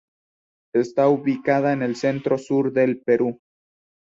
Está ubicada en el centro sur del Perú.